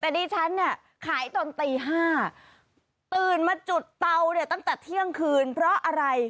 แต่ดิฉันเนี่ยขายตอนตี๕ตื่นมาจุดเตาเนี่ยตั้งแต่เที่ยงคืนเพราะอะไร